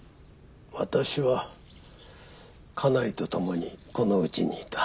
私は家内とともにこの家にいた。